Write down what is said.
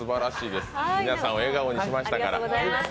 皆さんを笑顔にしましたから。